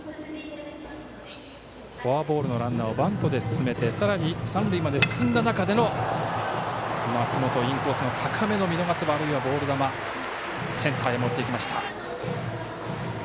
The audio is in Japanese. フォアボールのランナーをバントで進めてさらに、三塁まで進んだ中での松本インコースの高め見逃せばあるいはボール球センターへ持っていきました。